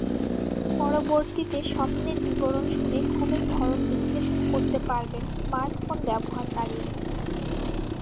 পরবর্তীতে স্বপ্নের বিবরণ শুনে ঘুমের ধরন বিশ্লেষণ করতে পারবেন স্মার্টফোন ব্যবহারকারী।